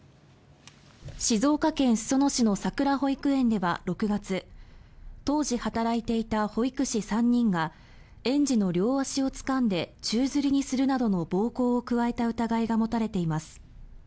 静岡県裾野市のさくら保育園では６月、当時働いていた保育士３人が園児の両足をつかんで宙づりにするなどの暴行を加えた疑いが持たれています。